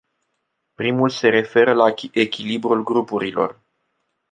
Primul se referă la echilibrul grupurilor.